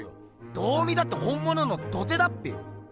どう見たって本ものの土手だっぺよ。